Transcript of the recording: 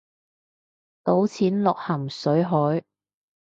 倒錢落咸水海